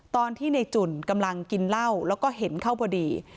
ตอนที่ในจุ่นกำลังกินเหล้าแล้วก็เห็นเข้าพอดี